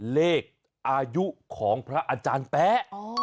เลขอายุของพระอาจารย์แป๊ะ